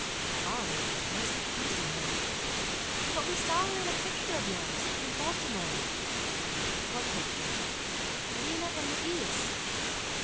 "Sorry—no such person here." "But we saw her in a picture of yours, in Baltimore." "What picture?" "'Lena and the Geese.